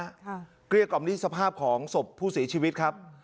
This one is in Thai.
เกลี้ยกล่อมนี่สภาพของศพผู้เสียชีวิตครับ